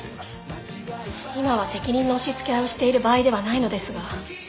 今は責任の押しつけ合いをしている場合ではないのですが。